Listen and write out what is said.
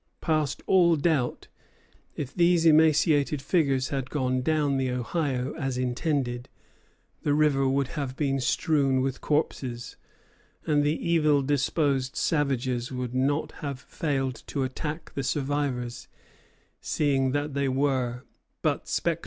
Past all doubt, if these emaciated figures had gone down the Ohio as intended, the river would have been strewn with corpses, and the evil disposed savages would not have failed to attack the survivors, seeing that they were but spectres."